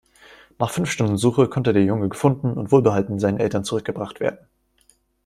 Nach fünf Stunden Suche konnte der Junge gefunden und wohlbehalten seinen Eltern zurückgebracht werden.